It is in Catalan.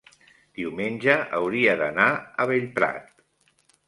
diumenge hauria d'anar a Bellprat.